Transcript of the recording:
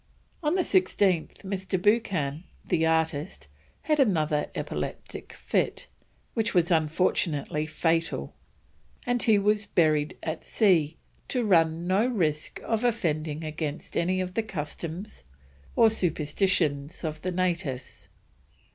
On the 16th Mr. Buchan, the artist, had another epileptic fit, which was unfortunately fatal, and he was buried at sea in order to run no risk of offending against any of the customs or superstitions of the natives.